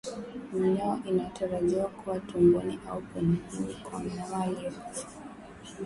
Minyoo inatarajiwa kuwa tumboni au kwenye ini kwa mnyama aliyekufa